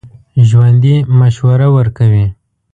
ژوندي مشوره ورکوي